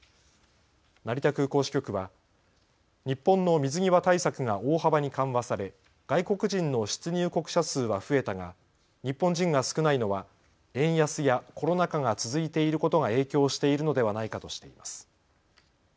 成田空港支局は日本の水際対策が大幅に緩和され外国人の出入国者数は増えたが日本人が少ないのは円安やコロナ禍が続いていることが影響しているのではないかとしています。